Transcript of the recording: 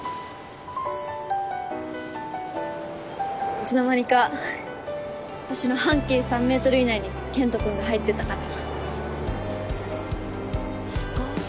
いつの間にか私の半径３ｍ以内に健人君が入ってたから。